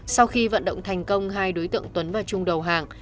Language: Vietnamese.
sau khi vận động thành công hai đối tượng tuấn và trung đầu hàng